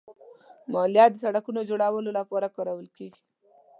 مالیه د سړکونو جوړولو لپاره کارول کېږي.